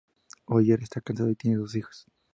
Hoyer está casado y tiene dos hijos.